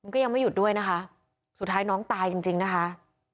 ก็ยังไม่หยุดด้วยนะคะสุดท้ายน้องตายจริงจริงนะคะ